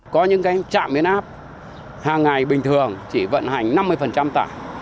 có những trạm biến áp hàng ngày bình thường chỉ vận hành năm mươi tải